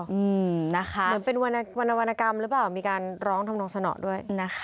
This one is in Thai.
เหมือนเป็นวรรณกรรมหรือเปล่ามีการร้องธำนองเสนาด้วย